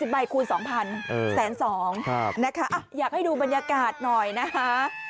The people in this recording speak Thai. ใบคูณ๒๐๐๑๒๐๐นะคะอยากให้ดูบรรยากาศหน่อยนะคะ